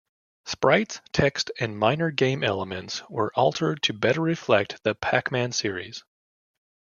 Sprites, text, and minor game elements were altered to better reflect the Pac-Man series.